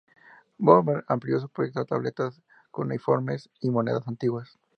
Bodmer amplió su proyecto a tabletas cuneiformes y monedas antiguas.